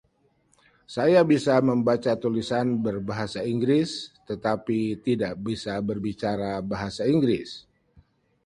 Saya bisa membaca tulisan berbahasa Inggris, tetapi tidak bisa berbicara bahasa Inggris.